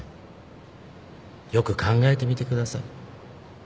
よく考えてみてください。